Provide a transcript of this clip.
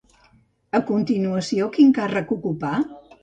A continuació, quin càrrec ocupà?